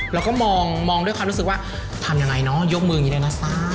แล้วก็มองด้วยความรู้สึกว่าทำยังไงเนอะยกมืออย่างนี้เลยนะจ๊ะ